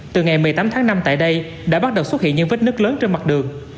từ ngày một mươi tám tháng năm tại đây đã bắt đầu xuất hiện những vết nứt lớn trên mặt đường